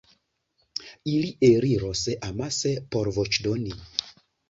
Ili eliros amase por voĉdoni.